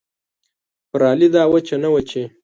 پر علي دا وچه نه وه چې